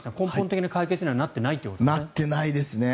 根本的な解決にはなっていないということなんですね。